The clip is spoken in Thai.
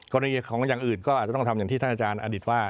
กรณีของอย่างอื่นก็อาจจะต้องทำอย่างที่ท่านอาจารย์อดิษฐ์ว่า